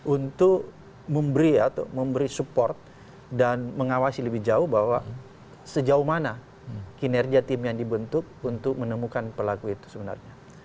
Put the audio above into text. untuk memberi atau memberi support dan mengawasi lebih jauh bahwa sejauh mana kinerja tim yang dibentuk untuk menemukan pelaku itu sebenarnya